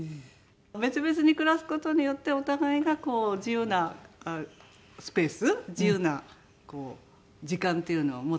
別々に暮らす事によってお互いが自由なスペース自由な時間っていうのを持って。